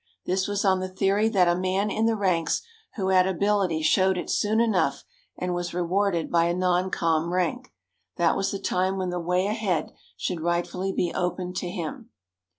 This was on the theory that a man in the ranks who had ability showed it soon enough, and was rewarded by a non com. rank. That was the time when the way ahead should rightfully be opened to him.